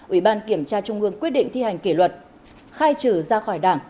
ủy ban kiểm tra trung ương quyết định thi hành kỷ luật khai trừ ra khỏi đảng